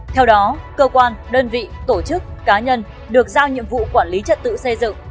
theo đó cơ quan đơn vị tổ chức cá nhân được giao nhiệm vụ quản lý trật tự xây dựng